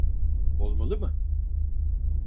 Olmalı mı?